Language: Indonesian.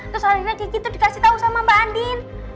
terus akhirnya kiki tuh dikasih tau sama mbak andin